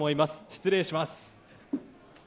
失礼します。